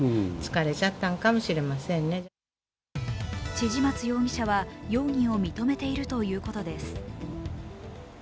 千々松容疑者は容疑を認めているということです。